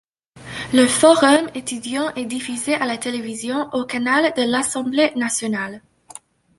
Le Forum étudiant est diffusé à la télévision au canal de l'Assemblée Nationale.